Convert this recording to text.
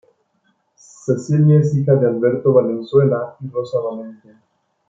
Cecilia es hija de Alberto Valenzuela y Rosa Valencia.